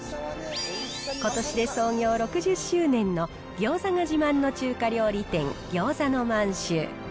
ことしで創業６０周年の餃子が自慢の中華料理店、ぎょうざの満州。